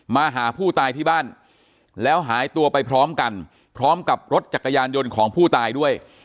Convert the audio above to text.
มาหาผู้ตายที่บ้านแล้วหายตัวไปพร้อมกันพร้อมกับรถจักรยานยนต์ของผู้ตายด้วย